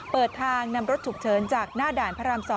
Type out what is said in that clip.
เปิดทางนำรถฉุกเฉินจากหน้าด่านพระราม๒